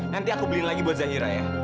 nanti aku beli lagi buat zahira ya